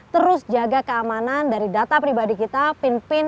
terus jaga keamanan dari data pribadi kita pin pin